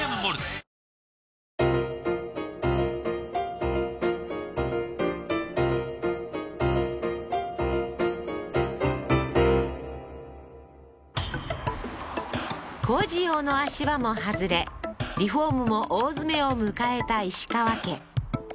おおーーッ工事用の足場も外れリフォームも大詰めを迎えた石川家